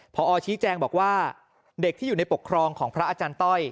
พอชี้แจงบอกว่าเด็กที่อยู่ในปกครองของพระอาจารย์ต้อย